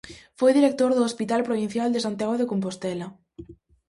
Foi director do Hospital Provincial de Santiago de Compostela.